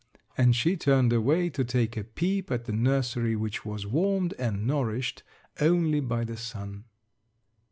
And she turned away to take a peep at the nursery which was warmed and nourished only by the sun.